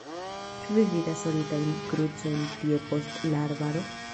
Ĉu vi vidas oritajn krucojn tie post la arbaro?